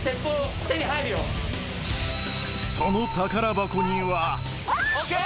その宝箱にはあぁ！